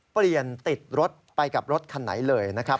เปลี่ยนติดรถไปกับรถคันไหนเลยนะครับ